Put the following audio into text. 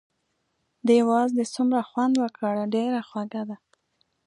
دې وازدې څومره خوند وکړ، ډېره خوږه ده.